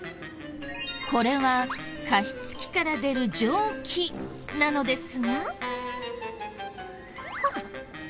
これは加湿器から出る蒸気なのですが。